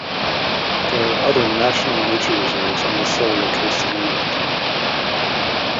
There are other national nature reserves on the Solway coast in England.